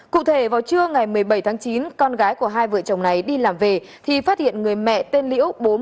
cụ thể vào trưa ngày một mươi bảy tháng chín con gái của hai vợ chồng này đi làm về thì phát hiện người mẹ tên liễu bốn mươi